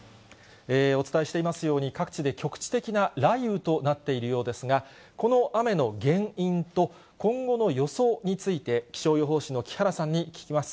お伝えしていますように、各地で局地的な雷雨となっているようですが、この雨の原因と今後の予想について、気象予報士の木原さんに聞きます。